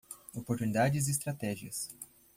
Oportunidades e estratégias